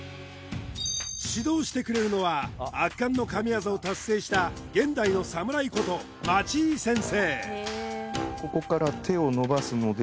指導してくれるのは圧巻の神業を達成した現代の侍こと町井先生